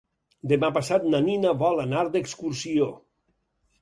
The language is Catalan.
Demà passat na Nina vol anar d'excursió.